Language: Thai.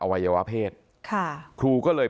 อวัยวเพศครูก็เลย